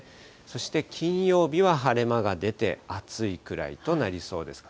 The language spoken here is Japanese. そして金曜日は晴れ間が出て暑いくらいとなりそうです。